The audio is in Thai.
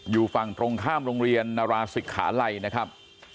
อยู่ฝั่งตรงข้ามโรงเรียนนาราศิกขาลัยนะครับ